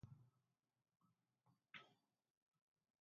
This led to the process being called "aniline printing".